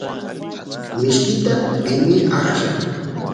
mishita rini aqlla